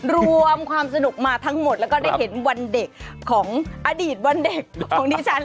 รวมความสนุกมาทั้งหมดแล้วก็ได้เห็นวันเด็กของอดีตวันเด็กของดิฉัน